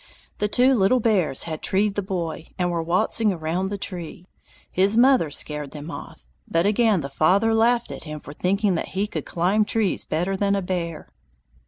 The two little bears had treed The Boy and were waltzing around the tree. His mother scared them off, but again the father laughed at him for thinking that he could climb trees better than a bear.